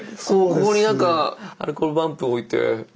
ここになんかアルコールランプ置いて。